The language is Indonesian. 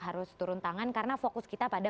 harus turun tangan karena fokus kita pada